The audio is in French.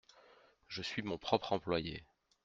Je suis mon propre employé.